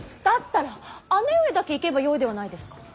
だったら姉上だけ行けばよいではないですか。